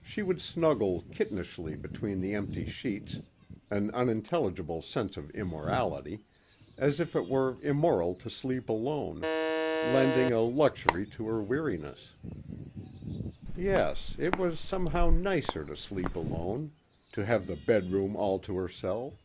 She would snuggle kittenishly between the empty sheets, an unintelligible sense of immorality as if it were immoral to sleep alone lending a luxury to her weariness. Yes, it was somehow nicer to sleep alone, to have the bedroom all to herself.